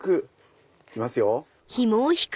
行きますよ。